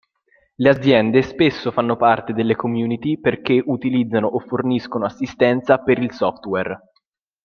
Le aziende spesso fanno parte delle community perché utilizzano o forniscono assistenza per il software.